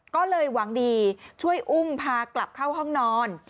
ก็เลยหวังดีช่วยอุ้มพากลับเข้าห้องนอน